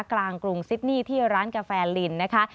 กรุงซิดนี่ที่ร้านกาแฟลินนะคะ